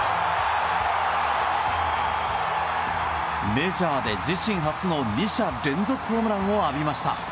メジャーで自身初の２者連続ホームランを浴びました。